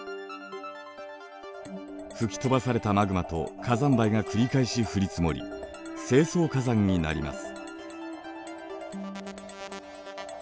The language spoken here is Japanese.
吹き飛ばされたマグマと火山灰が繰り返し降り積もり成層火山になります。